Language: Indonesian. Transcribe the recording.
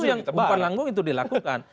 itu yang umpan langsung itu dilakukan